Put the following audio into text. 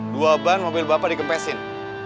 dua ban mobil bapak dikempesin